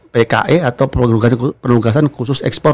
pke atau penugasan khusus ekspor